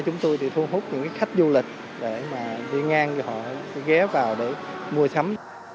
chúng tôi thu hút những khách du lịch để đi ngang cho họ ghé vào để mua sắm